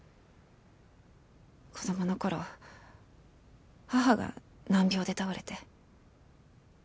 子どもの頃母が難病で倒れて。